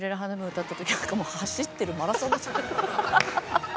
歌った時は走ってるマラソンみたい。